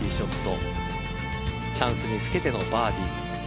チャンスにつけてのバーディー。